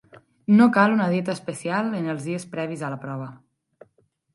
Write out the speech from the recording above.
No cal una dieta especial en els dies previs a la prova.